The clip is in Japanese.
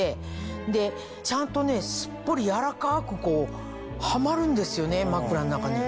でちゃんとねすっぽり柔らかくはまるんですよね枕の中に。